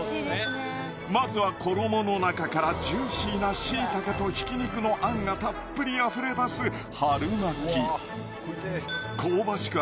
まずは衣の中からジューシーなしいたけとひき肉のあんがたっぷりあふれだす春巻き香ばしく